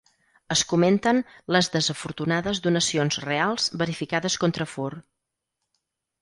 Es comenten les desafortunades donacions reals verificades contrafur.